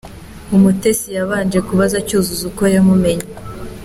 Umutesi yabanje kubaza Cyuzuzo uko yamumenye.